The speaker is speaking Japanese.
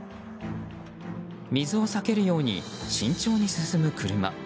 水を避けるように、慎重に進む車。